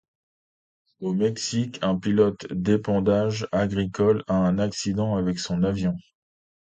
Au Mexique, un pilote d’épandage agricole a un accident avec son avion.